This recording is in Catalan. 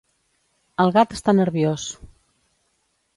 El gat està nerviós.